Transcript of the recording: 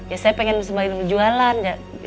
ya saya pengen sembahin perjualan